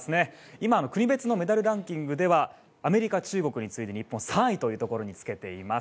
今、国別のメダルランキングではアメリカ、中国に次いで日本、３位につけています。